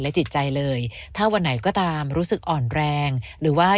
จิตใจเลยถ้าวันไหนก็ตามรู้สึกอ่อนแรงหรือว่า